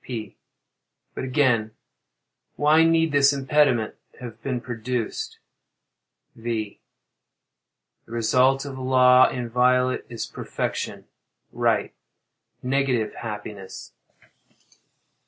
P. But again—why need this impediment have been produced? V. The result of law inviolate is perfection—right—negative happiness.